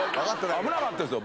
危なかったですよ。